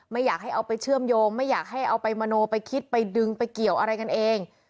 ไม่อยากให้เอาไปเชื่อมโยงไม่อยากให้เอาไปมโนไปคิดไปดึงไปเกี่ยวอะไรกันเอง